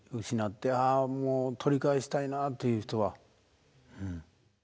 失ってあもう取り返したいなっていう人は。